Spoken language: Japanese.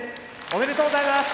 おめでとうございます。